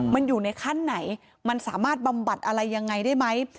มันอยู่ในขั้นไหนมันสามารถบำบัดอะไรยังไงได้ไหม